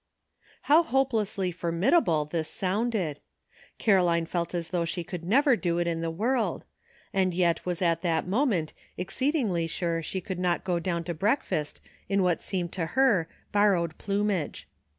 How hopelessly formidable this sounded 1 Caroline felt as though she could never do it in the world, and yet was at that moment exceed ingly sure she could not go down to breakfast in what seemed to her borrowed plumage.